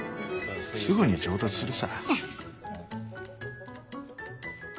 すぐに上達するさ。